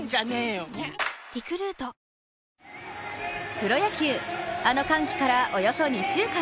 プロ野球、あの歓喜からおよそ２週間。